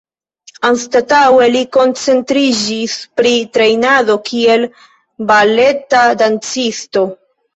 Anstataŭe li koncentriĝis pri trejnado kiel baleta dancisto.